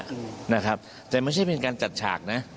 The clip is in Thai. ทุกอย่างถูกตัดตอนไปหมดแล้วนะครับแต่ไม่ใช่เป็นการจัดฉากนะ